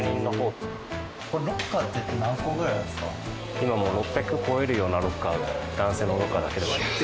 今もう６００超えるようなロッカーが男性のロッカーだけでもあります。